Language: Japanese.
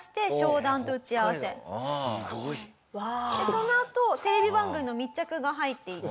そのあとテレビ番組の密着が入っていて。